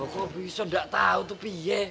kok bisa nggak tahu itu piye